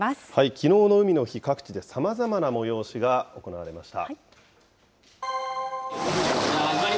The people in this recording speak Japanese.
きのうの海の日、各地で様々な催しが行われました。